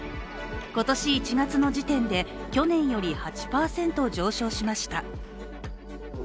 今年１月の時点で、去年より８％上昇しました。